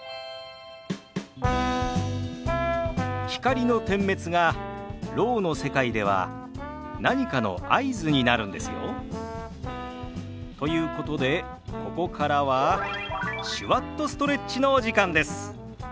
光の点滅がろうの世界では何かの合図になるんですよ。ということでここからは「手話っとストレッチ」のお時間です。